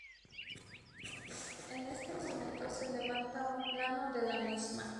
En este momento se levanta un plano de la misma.